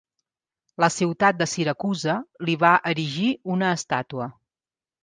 La ciutat de Siracusa li va erigir una estàtua.